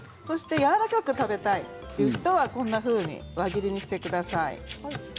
やわらかく食べたいっていう人は輪切りにしてください。